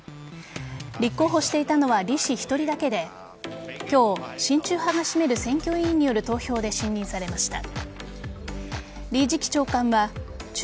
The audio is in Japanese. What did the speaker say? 立候補していたのはリ氏１人だけで今日、親中派が占める選挙委員による投票で信任されました。